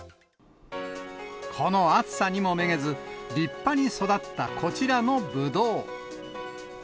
この暑さにもめげず、立派に育ったこちらのぶどう。